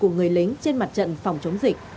người lính trên mặt trận phòng chống dịch